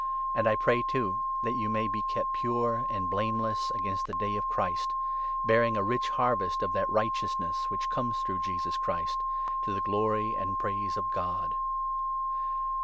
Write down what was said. And I pray, too, that you may be kept pure and blameless against the Day of Christ, bearing n a rich harvest of that righteousness which comes through Jesus Christ, to the glory and praise of God.